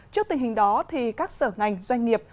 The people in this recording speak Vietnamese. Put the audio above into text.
trước tình hình đó thì các sở ngành doanh nghiệp